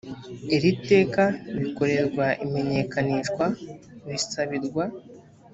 iri teka bikorerwa imenyekanishwa bisabirwa